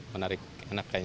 menarik enak kayaknya